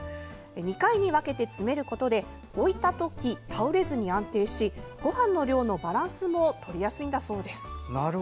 ２回に分けて詰めることで置いたとき、倒れずに安定しごはんの量のバランスもとりやすいんだそうです。